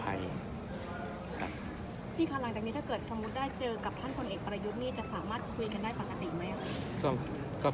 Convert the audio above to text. พี่คะหลังจากนี้ถ้าเกิดสมมุติได้เจอกับท่านพลเอกประยุทธ์นี่จะสามารถคุยกันได้ปกติไหมครับ